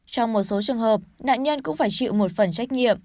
trong một số trường hợp nạn nhân cũng phải chịu một phần trách nhiệm